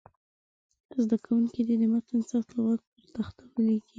زده کوونکي دې د متن سخت لغات پر تخته ولیکي.